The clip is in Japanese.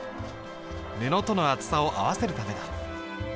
布との厚さを合わせるためだ。